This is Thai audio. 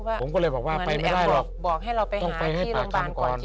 เหมือนแอมพูดบอกให้เราไปหาที่โรงพยาบาลก่อน